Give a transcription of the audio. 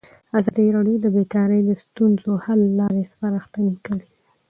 ازادي راډیو د بیکاري د ستونزو حل لارې سپارښتنې کړي.